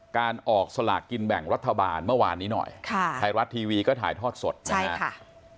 การออกสลากกินแบ่งรัฐบาลเมื่อวานนี้หน่อยค่ะไทยรัฐทีวีก็ถ่ายทอดสดนะครับ